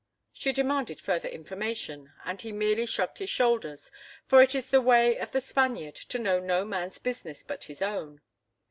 She demanded further information, and he merely shrugged his shoulders, for it is the way of the Spaniard to know no man's business but his own.